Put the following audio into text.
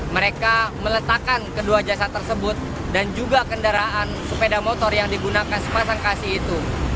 mereka meletakkan kedua jasad tersebut dan juga kendaraan sepeda motor yang digunakan sepasang kasih itu